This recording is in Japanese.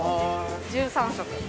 １３色。